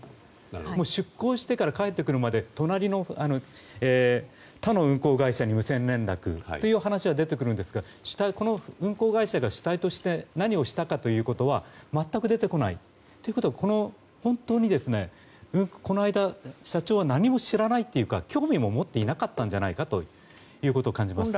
出航してから帰ってくるまで他の運航会社に無線連絡という話は出てくるんですがこの運航会社が主体として何をしたかということは全く出てこないということは本当に、この間社長は何も知らないというか興味も持っていなかったんじゃないかと感じます。